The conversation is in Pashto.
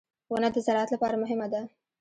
• ونه د زراعت لپاره مهمه ده.